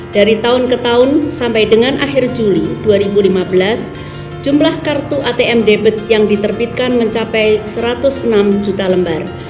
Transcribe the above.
dari tahun ke tahun sampai dengan akhir juli dua ribu lima belas jumlah kartu atm debit yang diterbitkan mencapai satu ratus enam juta lembar